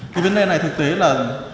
cái vấn đề này thực tế là